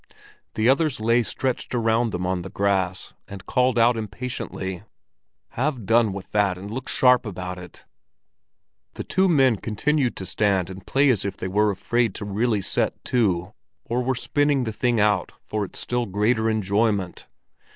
The others lay stretched around them on the grass, and called out impatiently: "Have done with that and look sharp about it!" The two men continued to stand and play as if they were afraid to really set to, or were spinning the thing out for its still greater enjoyment.